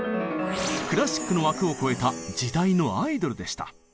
クラシックの枠を超えた時代のアイドルでした。